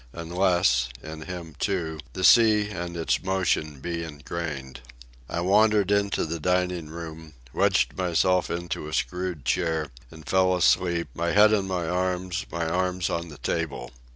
—unless, in him, too, the sea and its motion be ingrained. I wandered into the dining room, wedged myself into a screwed chair, and fell asleep, my head on my arms, my arms on the table.